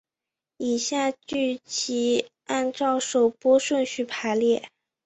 以下剧集按照首播顺序排列。